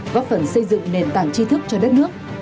góp phần xây dựng nền tảng chi thức cho đất nước